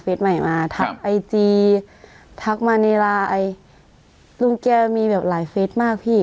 ใหม่มาทักไอจีทักมาในไลน์ลุงแกมีแบบหลายเฟสมากพี่